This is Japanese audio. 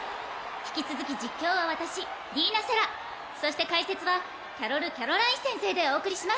引き続き実況は私ディーナ＝セラそして解説はキャロル＝キャロライン先生でお送りしま